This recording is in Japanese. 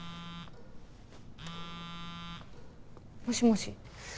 もしもし？